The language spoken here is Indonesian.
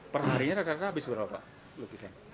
perharinya rata rata habis berapa lukisan